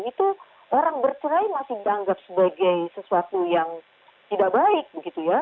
itu orang bercerai masih dianggap sebagai sesuatu yang tidak baik begitu ya